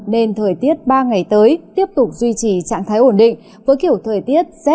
nên thời tiết ba ngày tới tiếp tục duy trì trạng thái ổn định với kiểu thời tiết rét